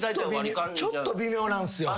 ちょっと微妙なんすよ。